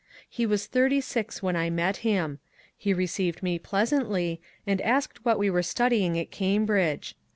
He was thirty six when I met him. He received me pleasantly, and asked what we were studying at Cambridge.